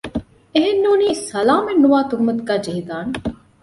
އެހެން ނޫނީ ސަލާމަތްނުވާ ތުހުމަތުގައި ޖެހިދާނެ